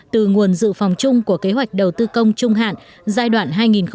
từ nguồn dự phòng chung của kế hoạch đầu tư công trung hạn giai đoạn hai nghìn một mươi sáu hai nghìn hai mươi